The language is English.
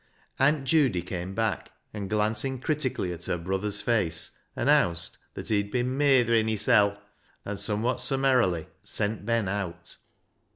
Aunt Judy came back, and, glancing critically at her brother's face, announced that he'd been " meytherin' hissel'," and somewhat summarily sent Ben out.